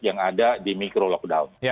yang ada di micro lockdown